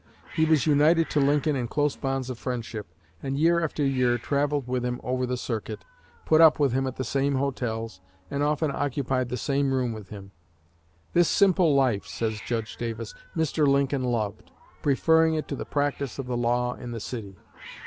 He was united to Lincoln in close bonds of friendship, and year after year travelled with him over the circuit, put up with him at the same hotels, and often occupied the same room with him. "This simple life," says Judge Davis, "Mr. Lincoln loved, preferring it to the practice of the law in the city.